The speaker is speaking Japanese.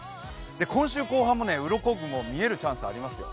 今週後半もうろこ雲、見れるチャンスありますよ。